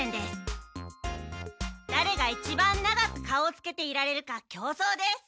だれがいちばん長く顔をつけていられるか競争です。